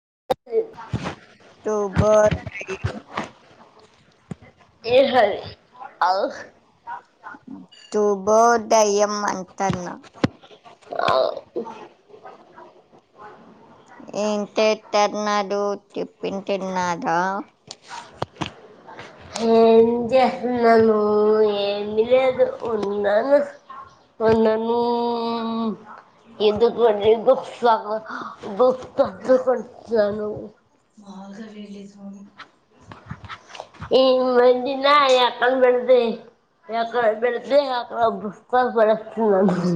[unintelligible] శుభోదయం ఏ హల్ అవ్ శుబోదయం అంటన్నా ఆ ఏం చేత్తన్నారు. టిఫిన్ తిన్నారా ఏం చేస్తున్నాను. ఏమి లేదు ఉన్నాను. ఉన్నాను. ఎందుకు అంటే ఇప్పుడు సగం బుక్ చదువు కుంటున్నాను. బాగ లేదులే స్వామి. ఈ వదిన ఎక్కడ పెడితే ఎక్కడ పెడితే అక్కడ బుక్స్ పడ్ పడేస్తుంది.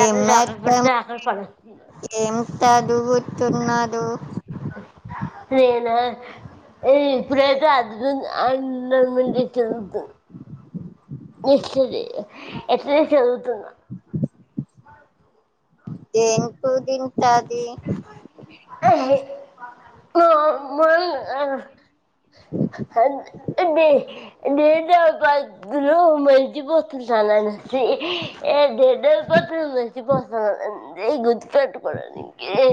ఏం మేద్దాం అక్కడ లే. పడేస్తున్నా ఏం చదువు తున్నారు. నేనా ఏయ్ ఇప్పుడేతే అర్జున్ ది అన్నముంది తినుపో నెస్ట్ది ఎక్కడ చదువుతున్నావ్. దేంతో తింటాది. నువ్ మల్ ఐన ఓహ అంద్ ది దీంతో బదులు మర్చిపోతుంటానండి. ఏ డడ పత్ర ఉ పోస అ గుదిపట్టుకో ఇదే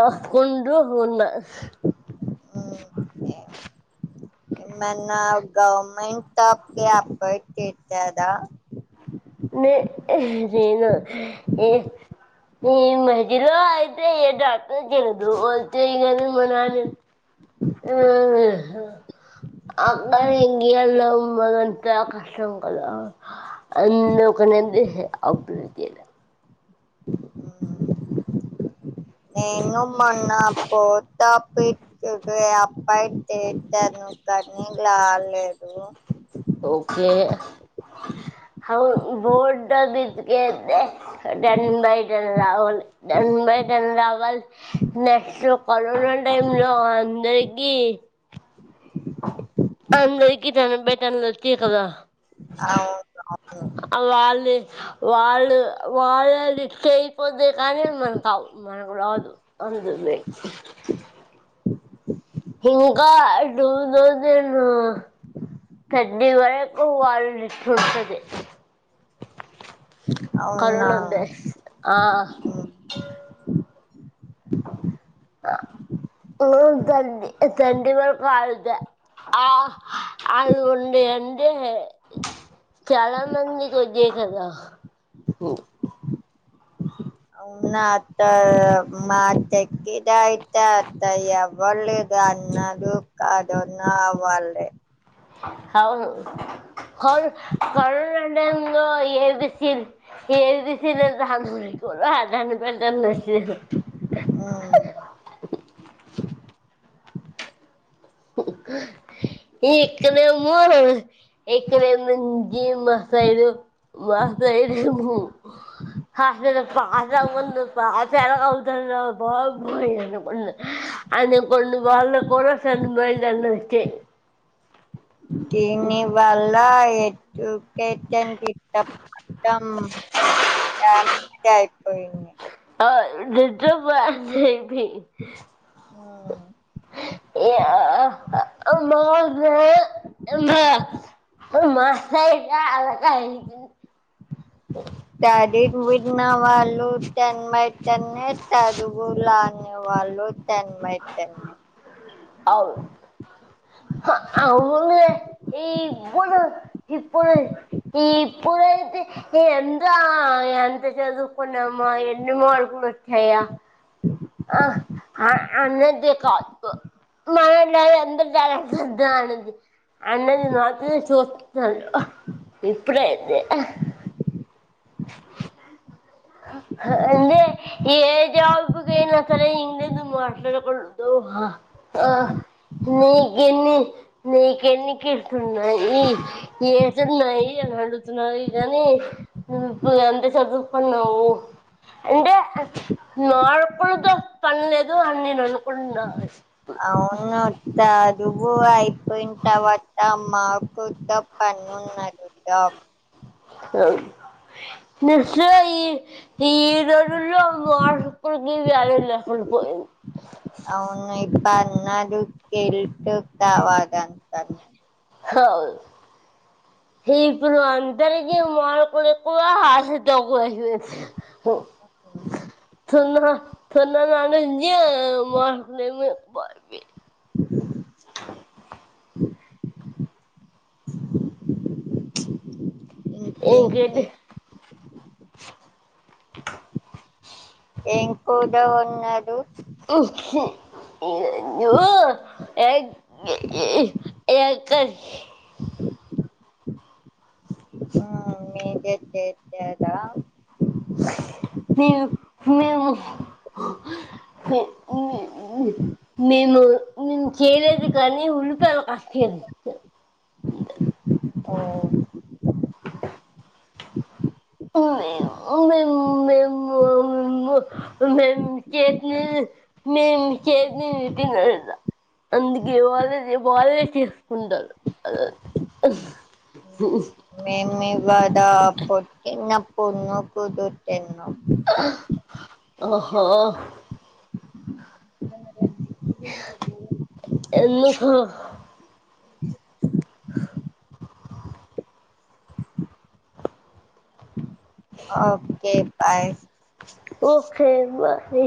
అ కుండ్రుహ్ ఉన్న ఓకే. ఏమన్నా గవర్నమెంట్ జాబ్కి అప్లై చెత్తాదా నే చేయ్ను ఏ ఈ మద్యలో అయితే ఏది అప్లై చేయలేదు వద్దే ఇగ మా నాన ఉ హ్ హా [unintelligible] అందుక నంది అృధ నేను మోన్నా పోత అప్పై పోయి చేచాను కానీ లాలేదు ఓకే [inaudible] అవున్ బోర్డ్ బిత్కెల్తే done by den Rahul done by ten రావాలి నెక్స్ట్ కరోనా టైమ్ లో అందరికి అందరికి టెన్ బై టెన్ ఓచ్చాయి కదా అవునవును వాళ్ళు వాళ్ళు వాళ్ళ ఇష్ట అయిపోద్తే కానీ మనం కాదు మనకు రాదు అందుంది [inaudible] ఇంకా టూ తౌసండు థర్టీ వరకు వాళ్ళింట్లుంటది అవును అవునా కరోనా బ్యాస్ ఆ ఉ తండ్ తండి వరకు ఆగుతూ ఆ అది ఉంది అంటే చాలా మంది కొచ్చాయి కదా అవునా అత్త మా చక్కితతా అంతా ఎవరు లే గన్నదో కాదో నావల్లే అవును కరుణ టైం లో ఎ బి సి ఎబిసి లు రాంగ్ నీకు రా వెంటనే నచ్చేసా ఇక్కడేమో ఇక్కడేమో జీ మాసైడు మాసైడేమో [inaudible] హ పాసవ్వముందు పాస్ ఏలా అవుతరా బాబోయ్ అనుకున్న అనికొన్న వాళ్ళ కూడా టెన్ బై టెన్ లు వచ్చాయ్ కీని బల్ లా ఏటు కెటం కిట్టం పాఠం రాం అంటే అయిపోయింది పిహ్ ఆ యా అమ్మ లే అమ్మ మాసైడ్ గా ఆళ్ తది విన్న వాళ్ళ టెన్ బై టెన్ ఏ చదువు రాని వాళ్ళు టెన్ బై టెన్ ఏ అవును అవునే ఈ ఇప్పుడు ఇప్పుడు ఈ ఇప్పుడైతే ఎందా ఎంత చదువుకున్నామా ఎన్ని మార్కులు వచ్చాయా ఆ అన్నదే కాపు మనలో ఎంత టాలెంట్ ఉన్నదో అన్నది అన్నది మాత్రం చూస్తున్నారు ఆహ్ ఇప్పుడైతే అందుకే ఏజాబ్ కైనా సరే ఇంగ్లీషు మాట్లాడకూడదు ఆ నీకెన్ని నీకెన్ని కిట్స్ ఉన్నాయి ఏజ్ ఉన్నాయి అడుగుతున్నారు గానీ నువ్వు ఇప్పుడు ఎంత చదువుకున్నావు అంటే మార్కుల తో పనిలేదు అని నేను అనుకుంటున్నా అవును తదువు అయిపోయిన తర్వాత మా కొత్త పనున్నది జాబ్ అ [unintelligible] ఈ రోజుల్లో మార్కులకి వాల్యు లేకుండా పోయింది అవును [unintelligible] కావాలంటంది హవ్ [inaudible] ఇప్పుడు అందరికి మార్కులు ఎక్కువ ఆశ తక్కువై పోయి మ్ తొందర తొందర లానే ఉంది ఏం మార్కులేమో బారిపొయింది ఇంకేంటి ఏం కూర వన్నడు హు ఉమ్మ్ నేను ఎగ్ జేసి ఎగ్ కర్రి ఆ మీదే చేశారా నేను మేము నేను నేన్ చేయలేదు కానీ ఉల్లిపాయలు కట్ చేశా ఓ మేము మేము [inaudible] మేము చేసినది మేము చేసినది తినరట అందుకే వాళ్లది వాళ్లే చేసుకుంటారు మేము ఇక్కడ పుట్టినప్పుడు నుకుతు తిన్నాం ఓహో ఎందుకు ఓకే బాయ్ ఓకే బాయ్